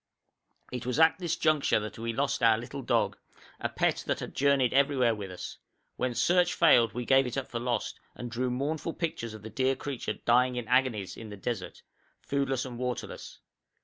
It was at this juncture that we lost our little dog, a pet that had journeyed everywhere with us; when search failed we gave it up for lost, and drew mournful pictures of the dear creature dying in agonies in the desert, foodless and waterless.